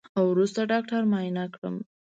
وروسته ډاکتر معاينه کړم.